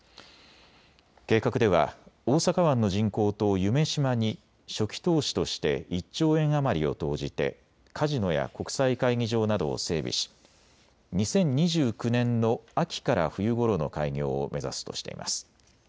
計画では大阪湾の人工島夢洲に初期投資として１兆円余りを投じてカジノや国際会議場などを整備し２０２９年の秋から冬ごろの開業を目指すとしています。